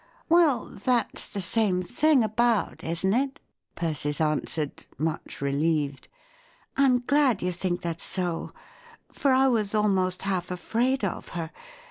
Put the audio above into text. " Well, that's the same thing, about, isn't it ?" Persis answered, much relieved. " I'm glad you think that's so; for I was almost half afraid of her.